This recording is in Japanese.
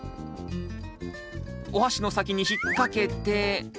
おはしの先に引っ掛けて。